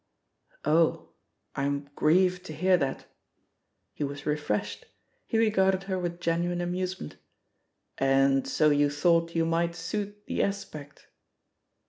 "Oh I I am grieved to hear that." He was refreshed — he regarded her with genuine amuse ment. "And so you thought you might suit The Aspect?